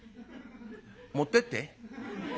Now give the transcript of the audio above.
「持ってって。